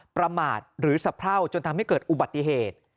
ประมาทหรือสะเพราจนทำให้เกิดอุบัติเหตุ